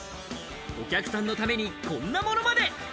お客さんのためにこんなものまで。